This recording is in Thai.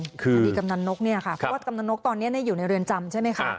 คดีกำนันนกเนี่ยค่ะเพราะว่ากำนันนกตอนนี้อยู่ในเรือนจำใช่ไหมคะ